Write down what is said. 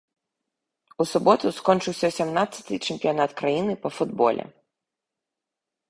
У суботу скончыўся сямнаццаты чэмпіянат краіны па футболе.